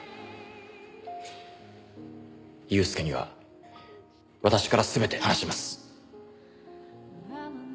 祐介には私から全て話します。